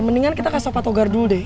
mendingan kita kasih tau pak togar dulu deh